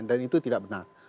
dan itu tidak benar